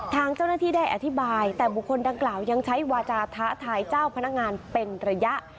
ทางเจ้าหน้าที่ได้อธิบายแต่บุคคลดังกล่าวยังใช้วาจาท้าทายเจ้าพนักงานเป็นระยะ